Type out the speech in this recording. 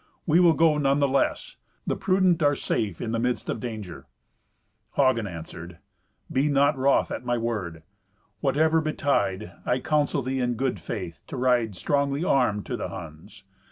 "We will go none the less. The prudent are safe in the midst of danger." Hagen answered, "Be not wroth at my word. Whatever betide, I counsel thee in good faith to ride strongly armed to the Huns.